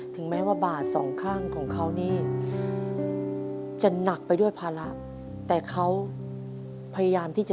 ถึงแม้ว่าบาดสองข้างของเค้านี่